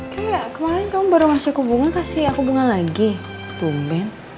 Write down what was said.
kayak kemarin kamu baru masuk hubungan kasih aku bunga lagi tumben